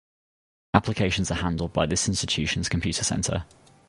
Applications are handled by this institution's Computer Centre.